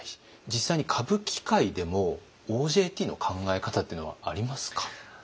実際に歌舞伎界でもＯＪＴの考え方っていうのはありますか？